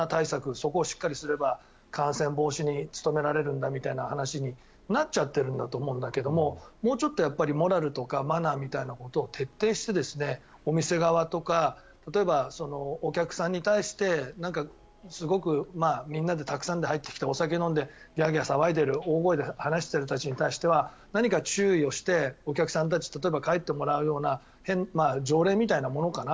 そこをしっかりすれば感染防止に努められるんだみたいな話になっちゃってるんだと思うんだけどももうちょっとモラルとかマナーみたいなものを徹底して、お店側とか例えばお客さんに対してすごく、みんなでたくさんで入ってきてお酒を飲んでギャーギャー騒いでいる大声で話している人たちに対しては何か注意をして、お客さんたち帰ってもらうような条例みたいなものかな